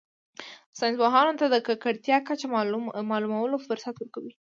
ساینس پوهانو ته د ککړتیا کچه معلومولو فرصت ورکوي